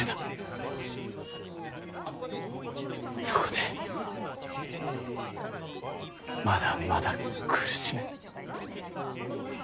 そこでまだまだ苦しめ。